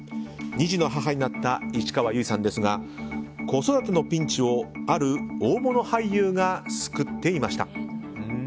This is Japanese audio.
２児の母になった市川由衣さんですが子育てのピンチをある大物俳優が救っていました。